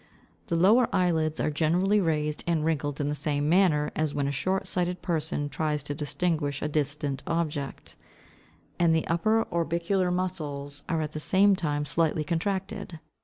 The lower eyelids are generally raised and wrinkled, in the same manner as when a short sighted person tries to distinguish a distant object; and the upper orbicular muscles are at the same time slightly contracted.